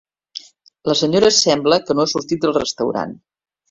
La senyora sembla que no ha sortit del restaurant.